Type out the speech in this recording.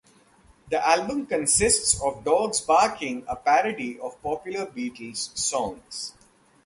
The album consists of dogs barking a parody of popular Beatles songs.